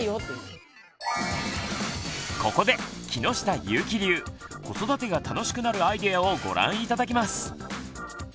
ここで木下ゆーき流子育てが楽しくなるアイデアをご覧頂きます！